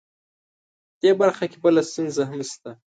دې برخه کې بله ستونزه هم شته